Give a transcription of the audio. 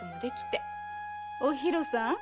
おひろさん